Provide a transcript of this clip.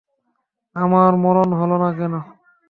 আমার মরণ হল না কেন?